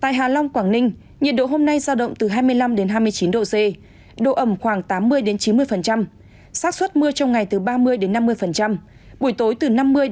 tại hà long quảng ninh nhiệt độ hôm nay giao động từ hai mươi năm hai mươi chín độ c độ ẩm khoảng tám mươi chín mươi sát xuất mưa trong ngày từ ba mươi năm mươi buổi tối từ năm mươi